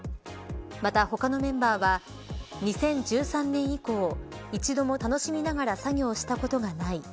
また他のメンバーは２０１３年以降一度も楽しみながら作業したことがない。